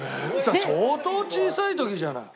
相当小さい時じゃない。